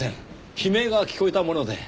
悲鳴が聞こえたもので。